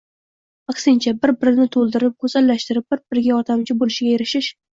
aksincha, bir-birini to'ldirib, go'zallashtirib, bnr-biriga yordamchi bo'lishiga erishish.